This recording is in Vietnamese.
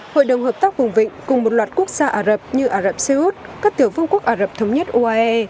hội đồng hợp tác vùng vịnh cùng một loạt quốc gia ả rập như ả rập xê út các tiểu vương quốc ả rập thống nhất uae